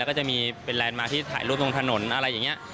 ก็จะมีเป็นแลนด์มาที่ถ่ายรูปตรงถนนอะไรอย่างนี้